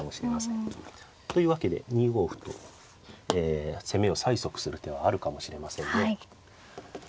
というわけで２五歩と攻めを催促する手はあるかもしれませんね。